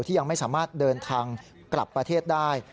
ยังไม่สามารถเดินทางกลับประเทศได้